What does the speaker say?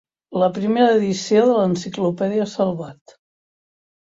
La primera edició de l'Enciclopèdia Salvat.